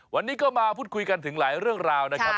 วันนี้ก็มาพูดคุยกันถึงหลายเรื่องราวนะครับ